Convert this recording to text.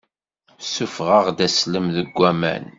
Ssufeɣ-d aslem seg waman!